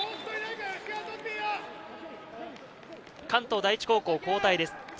関東第一高校、交代です。